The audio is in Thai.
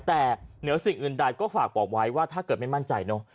แต่เหนือสิ่งอื่นใดก็ฝากบอกไว้ว่าถ้าเกิดไม่มั่นใจเนอะ